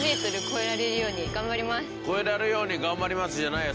「超えられるように頑張ります」じゃないよ